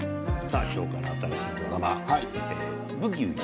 今日から新しいドラマ「ブギウギ」。